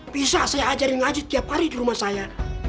bisa saya ajarin ngaji tiap hari di rumah saya